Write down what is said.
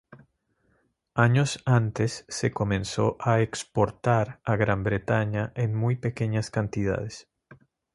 Años antes se comenzó a exportar a Gran Bretaña en muy pequeñas cantidades.